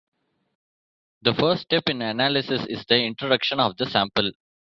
The first step in analysis is the introduction of the sample.